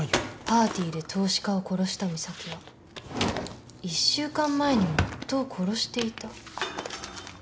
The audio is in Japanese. パーティーで投資家を殺した美咲は１週間前にも夫を殺していた？